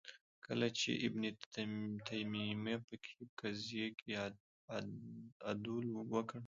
کله چې ابن تیمیه فقهې قضیې کې عدول وکړ